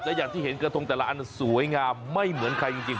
และอย่างที่เห็นกระทงแต่ละอันสวยงามไม่เหมือนใครจริง